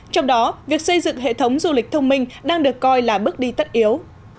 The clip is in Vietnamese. trong đó việc xây dựng hệ thống du lịch thông minh đang được coi là bước đi tất yếu